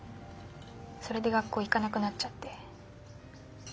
それで学校行かなくなっちゃって。